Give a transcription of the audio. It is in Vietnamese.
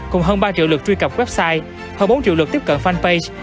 cùng hơn ba triệu lượt truy cập website hơn bốn triệu lượt tiếp cận fanpage